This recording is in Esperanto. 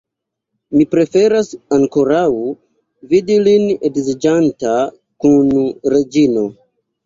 Mi preferas ankoraŭ vidi lin edziĝantan kun Reĝino.